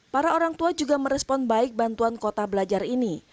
para orang tua juga merespon baik bantuan kuota belajar ini